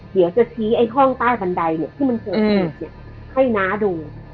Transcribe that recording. เดี๋ยวจะชี้ไอ้ห้องใต้บันไดเนี่ยที่มันเกิดเหตุให้น้าดู